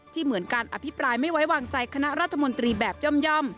เหมือนการอภิปรายไม่ไว้วางใจคณะรัฐมนตรีแบบย่อม